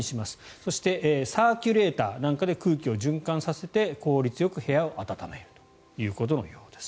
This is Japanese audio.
そしてサーキュレーターなんかで空気を循環させて効率よく部屋を暖めるということのようです。